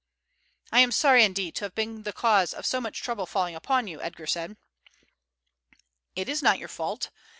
"I am sorry, indeed, to have been the cause of so much trouble falling upon you," Edgar said. "It is not your fault.